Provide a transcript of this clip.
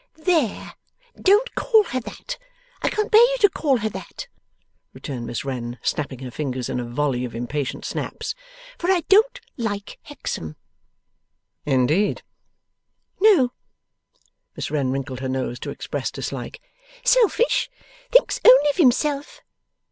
'There! Don't call her that. I can't bear you to call her that,' returned Miss Wren, snapping her fingers in a volley of impatient snaps, 'for I don't like Hexam.' 'Indeed?' 'No.' Miss Wren wrinkled her nose, to express dislike. 'Selfish. Thinks only of himself.